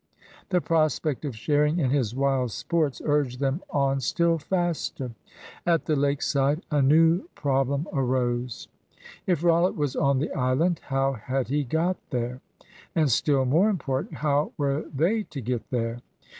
The prospect of sharing in his wild sports urged them on still faster. At the lake side a new problem arose. If Rollitt was on the island, how had he got there? And, still more important, how were they to get there?